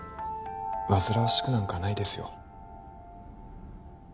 煩わしくなんかないですよ